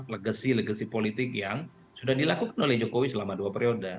legasi legasi politik yang sudah dilakukan oleh jokowi selama dua periode